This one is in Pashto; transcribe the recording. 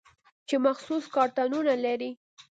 چې مخصوص کارتونه لري.